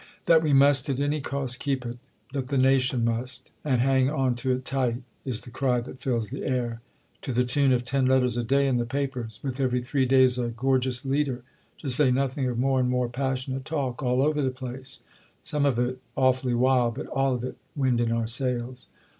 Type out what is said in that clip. That we must at any cost keep it, that the nation must, and hang on to it tight, is the cry that fills the air—to the tune of ten letters a day in the Papers, with every three days a gorgeous leader; to say nothing of more and more passionate talk all over the place, some of it awfully wild, but all of it wind in our sails."